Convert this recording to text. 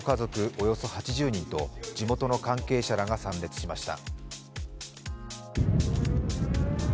およそ８０人と地元の関係者らが参列しました。